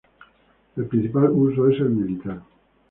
El principal uso es el militar.